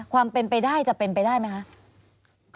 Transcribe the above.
ความเป็นไปได้จะเป็นไปได้ไหมคะ